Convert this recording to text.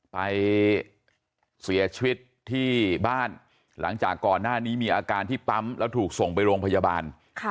ไปเสียชีวิตที่บ้านหลังจากก่อนหน้านี้มีอาการที่ปั๊มแล้วถูกส่งไปโรงพยาบาล